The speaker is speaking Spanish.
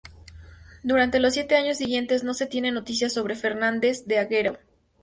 Durante los siete años siguientes, no se tienen noticias sobre Fernández de Agüero.